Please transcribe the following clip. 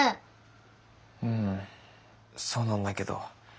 うんそうなんだけど。